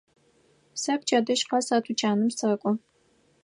Сэ пчэдыжь къэс а тучаным сэкӏо.